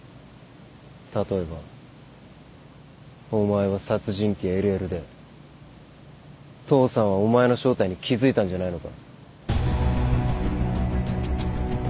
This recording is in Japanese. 例えばお前は殺人鬼・ＬＬで父さんはお前の正体に気付いたんじゃないのか？